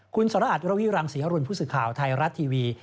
คุณสรอัตรวิรังศรีอรุณผู้สื่อข่าวไทยรัฐทีวี